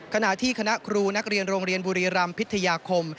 ขณะที่คณะครูนักเรียนโรงเรียนบุรีรำพิทยาคม